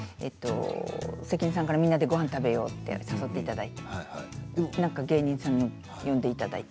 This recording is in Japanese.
関根さんからみんなでごはんを食べようと誘っていただいて芸人さんを呼んでいただいて。